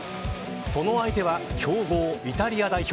その相手は強豪イタリア代表。